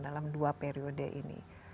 dalam dua periode ini